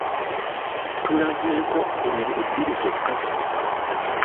Tulazeeko ennyiriri bbiri zokka zino.